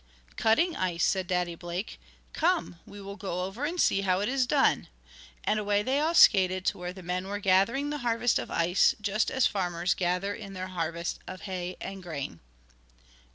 "Cutting ice," said Daddy Blake. "Come, we will go over and see how it is done," and away they all skated to where the men were gathering the harvest of ice, just as farmers gather in their harvest of hay and grain.